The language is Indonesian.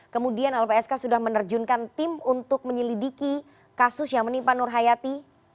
kemudian lpsk sudah menerjunkan tim untuk menyelidiki kasus yang menimpa nur hayati